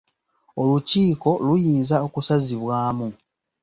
Olukiiko luyinza okusazibwamu.